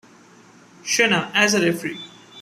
Shena as a referee.